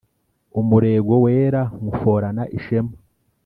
Umurego weranywuforana ishema